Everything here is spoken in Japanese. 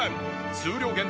数量限定。